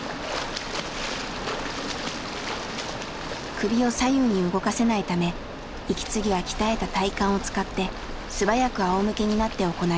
首を左右に動かせないため息継ぎは鍛えた体幹を使って素早くあおむけになって行います。